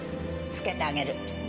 つけてあげる。